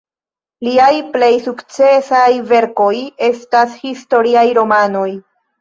Liaj plej sukcesaj verkoj estas historiaj romanoj.